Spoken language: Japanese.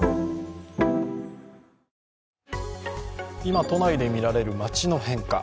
今、都内で見られる街の変化。